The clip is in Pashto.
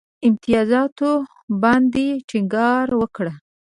امتیازاتو باندي ټینګار وکړ.